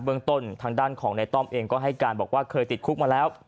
เรื่องต้นทางด้านของในต้อมเองก็ให้การบอกว่าเคยติดคุกมาแล้ว